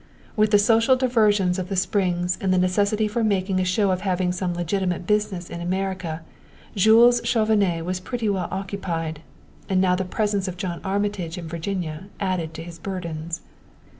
With the social diversions of the Springs and the necessity for making a show of having some legitimate business in America, Jules Chauvenet was pretty well occupied; and now the presence of John Armitage in Virginia added to his burdens.